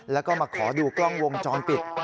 แล้วก็มาขอดูกล้องวงจรปิด